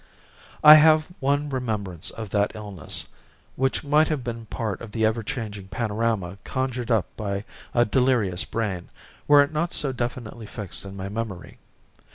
I have one remembrance of that illness, which might have been part of the ever changing panorama conjured up by a delirious brain were it not so definitely fixed in my memory.